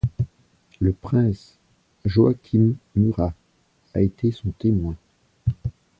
Le prince Joachim Murat a été son témoin.